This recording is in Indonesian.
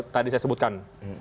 tadi saya sebutkan